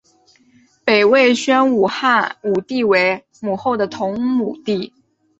北魏宣武帝于皇后的同母弟。